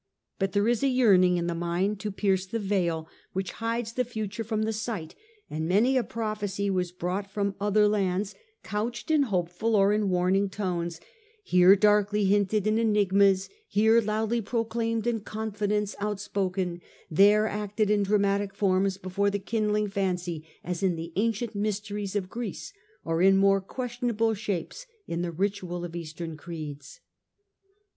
But there is a yearning in the mind to pierce the veil which hides the fliture from the sight, and many a prophecy was brought from other lands, couched in hopeful or in warning tones, here darkly hinted in enigmas, here loudly proclaimed in confidence outspoken, there acted in dramatic forms before the kindling fancy as in the ancient mysteries of Greece, or in more questionable shapes in the ritual of Eastern creeds.